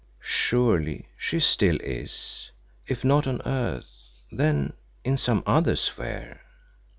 Surely she still is, if not on earth, then in some other sphere?